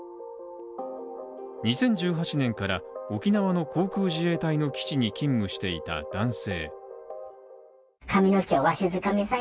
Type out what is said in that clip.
２０１８年から沖縄の航空自衛隊の基地に勤務していた男性。